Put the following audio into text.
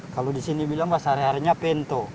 kalau di sini bilang bahasa reharinya pento